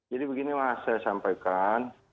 jadi begini mas saya sampaikan